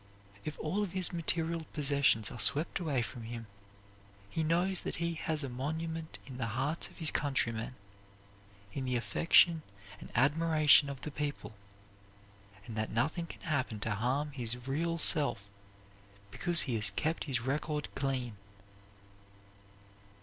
If all of his material possessions are swept away from him, he knows that he has a monument in the hearts of his countrymen, in the affection and admiration of the people, and that nothing can happen to harm his real self because he has kept his record clean.